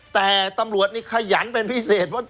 แต่ตำรวจนี่ขยันเป็นพิเศษ